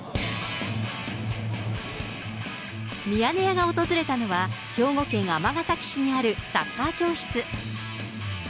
ミヤネ屋が訪れたのは、兵庫県尼崎市にあるサッカー教室。